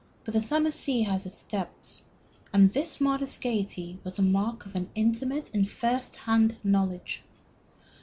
But the summer sea has its depths, and this modest gayety was the mark of an intimate and first hand knowledge.